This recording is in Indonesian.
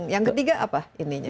yang ketiga apa ininya